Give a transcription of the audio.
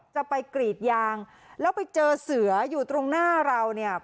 จะไปกรีดยางแล้วไปเจอเสืออยู่ตรงหน้าเราเนี่ย